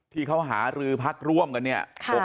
ที่เขาหารือพักร่วมกันเนี่ย